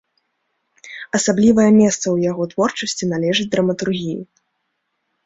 Асаблівае месца ў яго творчасці належыць драматургіі.